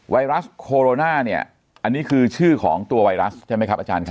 ไวรัสโคโรนาเนี่ยอันนี้คือชื่อของตัวไวรัสใช่ไหมครับอาจารย์ครับ